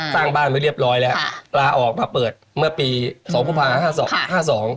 สร้างบ้านไว้เรียบร้อยแล้วลาออกมาเปิดเมื่อปีสองพุภาห้าสองห้าสอง